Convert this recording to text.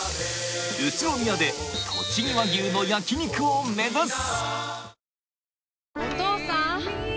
宇都宮でとちぎ和牛の焼肉を目指す！